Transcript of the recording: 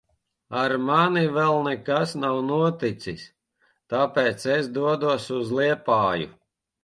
Ar mani vēl nekas nav noticis. Tāpēc es dodos uz Liepāju.